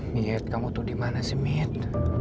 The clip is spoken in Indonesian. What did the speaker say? miet kamu tuh di mana sih miet